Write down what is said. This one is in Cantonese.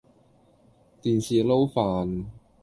電視撈飯